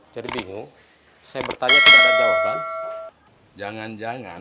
jadi bingung saya bertanya tidak ada jawaban jangan jangan